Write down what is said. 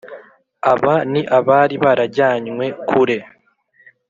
Aba ni abari barajyanywe kure